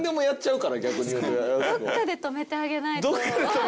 どっかで止めてあげないと。